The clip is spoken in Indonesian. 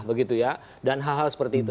begitu ya dan hal hal seperti itu